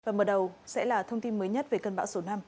và mở đầu sẽ là thông tin mới nhất về cơn bão số năm